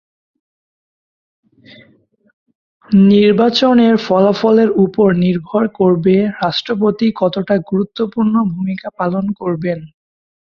নির্বাচনের ফলাফলের ওপর নির্ভর করবে রাষ্ট্রপতি কতটা গুরুত্বপূর্ণ ভূমিকা পালন করবেন।